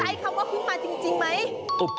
คุณเข้าใจคำว่าพึ่งมาจริงไหม